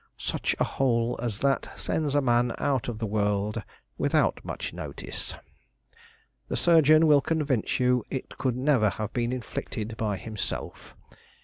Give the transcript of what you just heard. "Such a hole as that sends a man out of the world without much notice. The surgeon will convince you it could never have been inflicted by himself.